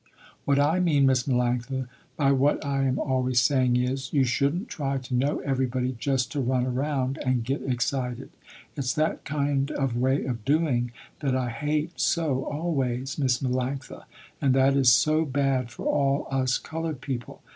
What I mean Miss Melanctha by what I am always saying is, you shouldn't try to know everybody just to run around and get excited. It's that kind of way of doing that I hate so always Miss Melanctha, and that is so bad for all us colored people.